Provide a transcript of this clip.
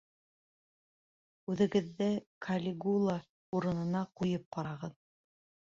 Үҙегеҙҙе Калигула урынына ҡуйып ҡарағыҙ.